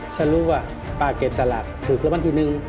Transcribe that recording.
ฉันรู้ว่ะป่าเก็บสลักถือเครื่องวันที่หนึ่ง